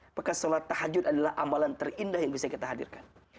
apakah sholat tahajud adalah amalan terindah yang bisa kita hadirkan